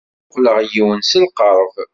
Mmuqqleɣ yiwen s lqerb.